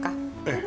ええ。